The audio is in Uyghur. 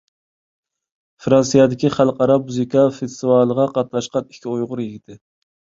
فىرانسىيەدىكى خەلقئارا مۇزىكا فېستىۋالىغا قاتناشقان ئىككى ئۇيغۇر يىگىتى.